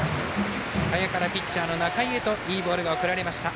賀谷からピッチャーの仲井へといいボールが送られました。